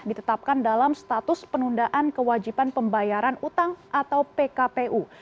ditetapkan dalam status penundaan kewajiban pembayaran utang atau pkpu